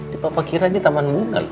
di bapak kira ini taman bunga loh